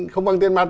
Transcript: không bằng tiền mặt